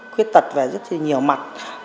khuyết tật về rất nhiều mặt